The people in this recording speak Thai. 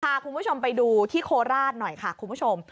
พาคุณผู้ชมไปดูที่โคราชหน่อยค่ะคุณผู้ชม